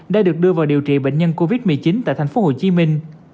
đã được đưa vào điều trị bệnh nhân covid một mươi chín tại thành phố hồ chí minh